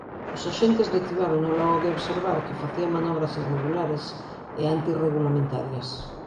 Os axentes detivérono logo de observar que facía manobras irregulares e antiregulamentarias.